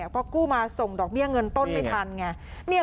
ก็กู้มาส่งดอกเบี้ยเงินต้นไม่ทันไง